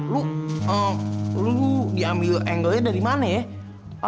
lu ee lu diambil angle nya dari mana ya